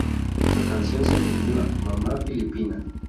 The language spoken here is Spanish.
La canción se titula "Mama Filipina".